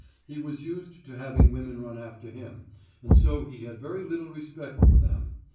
He was used to having women run after him, and so he had very little respect for them.